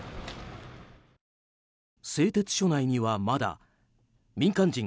製鉄所内にはまだ民間人